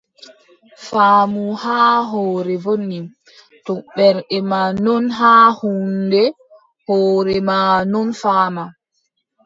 Faamu haa hoore woni, to ɓernde maa non haa huunde, hoore maa non faama.